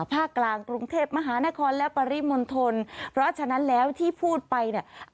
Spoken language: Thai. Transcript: ภาคกลางกรุงเทพมหานครและปริมณฑลเพราะฉะนั้นแล้วที่พูดไปเนี่ย